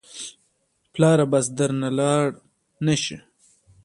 پلاره بس درنه لاړ نه شي.